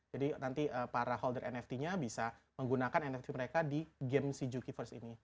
jadi nanti para holder nft nya bisa menggunakan nft mereka di game si jukiverse ini